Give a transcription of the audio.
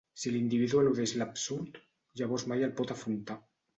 Si l'individu eludeix l'Absurd, llavors mai el pot afrontar.